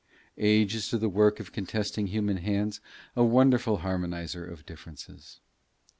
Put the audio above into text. Age is to the work of contesting human hands a wonderful harmoniser of differences.